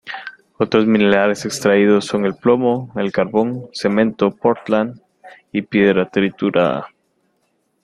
Otros minerales extraídos son el plomo, el carbón, cemento portland y piedra triturada.